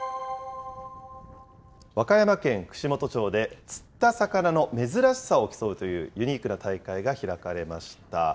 和歌山県串本町で、釣った魚の珍しさを競うというユニークな大会が開かれました。